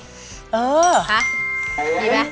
ดีไหม